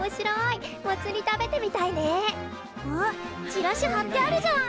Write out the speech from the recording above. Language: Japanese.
チラシはってあるじゃん！